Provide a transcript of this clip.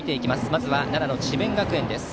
まずは奈良の智弁学園です。